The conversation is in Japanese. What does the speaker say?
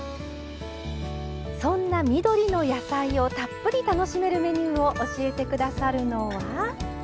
そんな緑の野菜をたっぷり楽しめるメニューを教えて下さるのは。